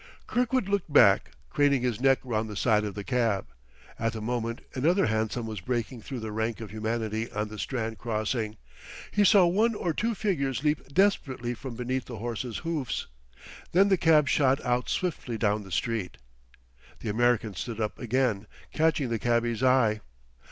Kirkwood looked back, craning his neck round the side of the cab. At the moment another hansom was breaking through the rank of humanity on the Strand crossing. He saw one or two figures leap desperately from beneath the horse's hoofs. Then the cab shot out swiftly down the street. The American stood up again, catching the cabby's eye.